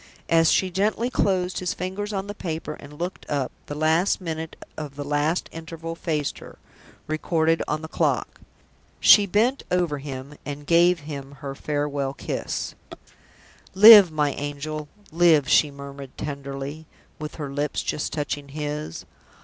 As she gently closed his fingers on the paper and looked up, the last minute of the last interval faced her, recorded on the clock. She bent over him, and gave him her farewell kiss. "Live, my angel, live!" she murmured, tenderly, with her lips just touching his.